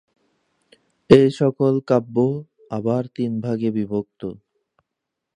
এ সকল কাব্য আবার তিন ভাগে বিভক্ত।